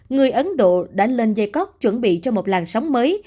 người ấn độ đã lên dây cóc chuẩn bị cho một làn sóng mới